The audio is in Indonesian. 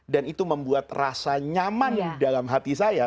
dan itu membuat rasa nyaman dalam hati saya